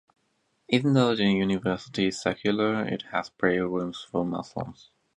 Even though the university is secular, it has prayer rooms for Muslims.